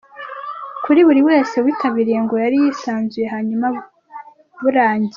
kuri buri wese witabiriye ngo yari yisanzuye hanyuma burangiye